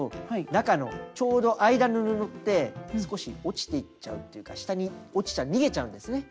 中のちょうど間の布って少し落ちていっちゃうっていうか下に落ちちゃう逃げちゃうんですね。